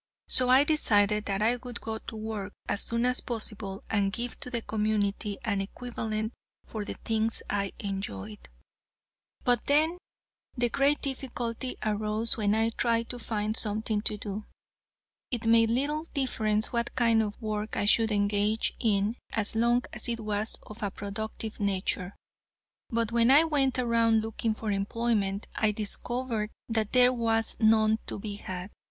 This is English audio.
So I decided that I would go to work as soon as possible, and give to the community an equivalent for the things I enjoyed. But then, the great difficulty arose when I tried to find something to do. It made little difference what kind of work I should engage in as long as it was of a productive nature. But when I went around looking for employment, I discovered that there was none to be had.